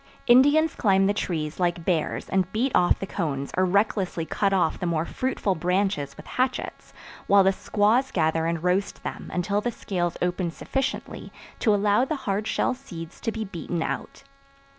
Indians climb the trees like bears and beat off the cones or recklessly cut off the more fruitful branches with hatchets, while the squaws gather and roast them until the scales open sufficiently to allow the hard shell seeds to be beaten out.